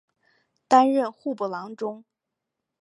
担任户部郎中。